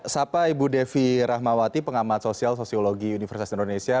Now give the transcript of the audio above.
sapa ibu devi rahmawati pengamat sosial sosiologi universitas indonesia